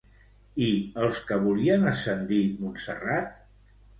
I els que volien ascendir Montserrat?